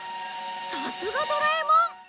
さすがドラえもん！